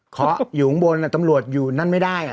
เขาอยู่ข้างบนตำรวจอยู่นั่นไม่ได้อ่ะ